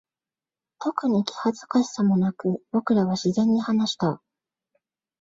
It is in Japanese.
特に気恥ずかしさもなく、僕らは自然に話した。